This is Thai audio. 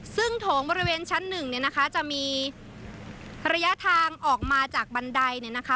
ซึ่งโถงบริเวณชั้นหนึ่งเนี่ยนะคะจะมีระยะทางออกมาจากบันไดเนี่ยนะคะ